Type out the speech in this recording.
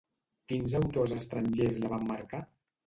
Quins autors estrangers la van marcar?